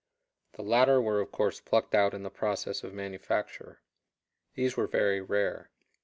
The latter were of course plucked out in the process of manufacture. These were very rare.